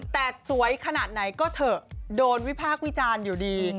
แต่สวยขนาดไหนก็เถอะโดนวิพากษ์วิจารณ์อยู่ดี